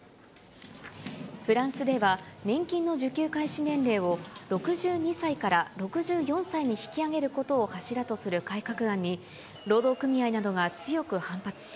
フランスでは年金の受給開始年齢を、６２歳から６４歳に引き上げることを柱とする改革案に、労働組合などが強く反発し、